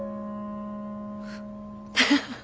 ハハハハ。